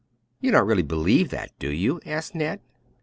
"You don't really believe that, do you?" asked Ned.